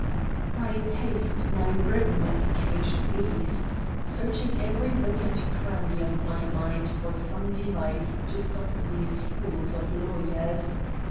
I paced my room like a caged beast, searching every nook and cranny of my mind for some device to stop these fools of lawyers.